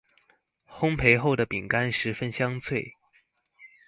烘焙後的餅乾十分香脆